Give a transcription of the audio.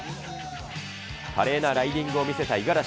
華麗なライディングを見せた五十嵐。